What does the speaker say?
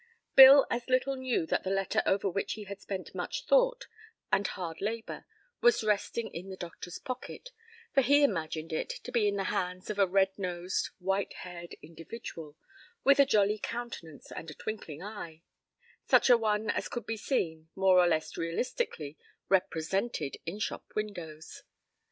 Bill as little knew that the letter over which he had spent much thought and hard labor was resting in the doctor's pocket, for he imagined it to be in the hands of a red nosed, white haired individual, with a jolly countenance and a twinkling eye such a one as could be seen, more or less realistically represented in shop windows.